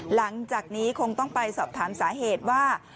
หลังจากนี้คงต้องไปสอบถามสาเหตุว่า